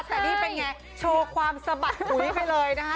แต่นี่เป็นไงโชว์ความสะบัดปุ๋ยไปเลยนะคะ